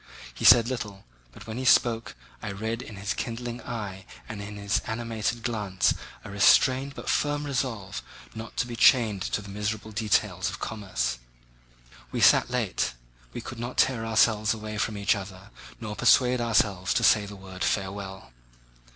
He said little, but when he spoke I read in his kindling eye and in his animated glance a restrained but firm resolve not to be chained to the miserable details of commerce. We sat late. We could not tear ourselves away from each other nor persuade ourselves to say the word "Farewell!"